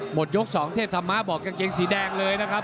หมดยก๒เทพธรรมะบอกกางเกงสีแดงเลยนะครับ